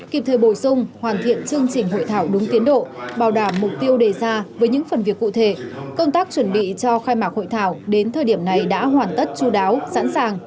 kịp thời bồi sung hoàn thiện chương trình hội thảo đúng tiến độ bảo đảm mục tiêu đề ra với những phần việc cụ thể